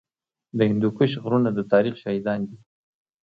د هندوکش غرونه د تاریخ شاهدان دي